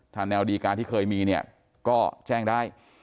ถ้าแนวดีการที่เคยมีเนี่ยก็แจ้งได้